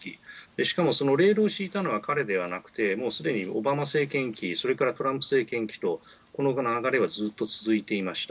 しかもレールを敷いたのは彼ではなくてすでにオバマ政権期それからトランプ政権期とこの流れはずっと続いていました。